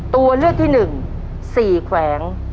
ตัวเลือกที่หนึ่ง๔แขวง